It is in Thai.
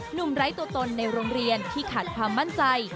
ไร้ตัวตนในโรงเรียนที่ขาดความมั่นใจ